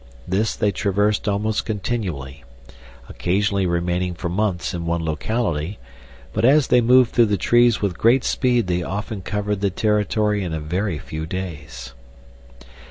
This they traversed almost continually, occasionally remaining for months in one locality; but as they moved through the trees with great speed they often covered the territory in a very few days.